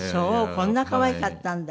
こんな可愛かったんだ。